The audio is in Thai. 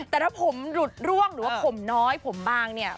แต่ถ้าผมหลุดร่วงหรือว่าผมน้อยผมบางเนี่ย